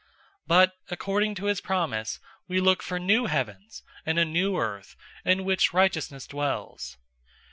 003:013 But, according to his promise, we look for new heavens and a new earth, in which righteousness dwells.